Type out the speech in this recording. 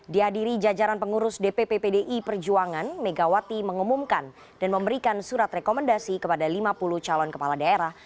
di hadiri jajaran pengurus dpppdi perjuangan megawati mengumumkan dan memberikan surat rekomendasi kepada lima puluh calon kepala daerah